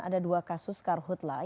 ada dua kasus karhutlah